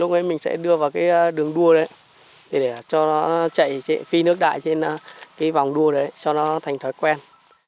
lúc ấy mình sẽ đưa vào cái đường đua đấy để cho nó chạy phi nước đại trên cái vòng đua đấy cho nó thành thói quen